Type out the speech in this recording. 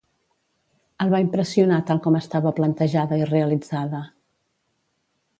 El va impressionar tal com estava plantejada i realitzada